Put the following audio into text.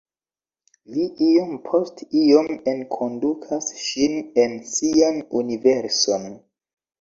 Li iom post iom enkondukas ŝin en sian universon.